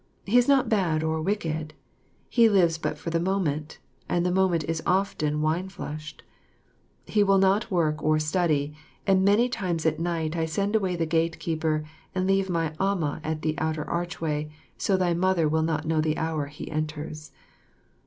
He is not bad or wicked. He lives but for the moment, and the moment is often wine flushed. He will not work or study, and many times at night I send away the gatekeeper and leave my amah at the outer archway, so thy Mother will not know the hour he enters.